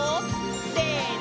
せの！